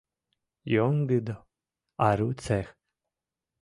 — Йоҥгыдо, ару цех.